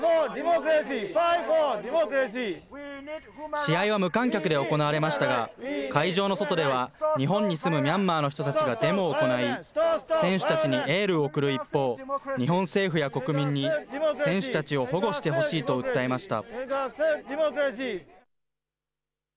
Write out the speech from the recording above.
試合は無観客で行われましたが、会場の外では、日本に住むミャンマーの人たちがデモを行い、選手たちにエールを送る一方、日本政府や国民に選手たちを保護してほしいと訴えました。